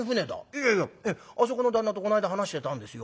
いやいやあそこの旦那とこないだ話してたんですよ。